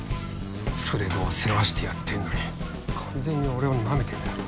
連れ子を世話してやってんのに完全に俺をナメてんだ